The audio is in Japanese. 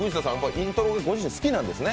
イントロ好きなんですね。